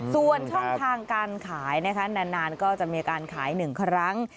ส่วนช่องทางการขายนะคะนานก็จะมีการขาย๑ครั้ง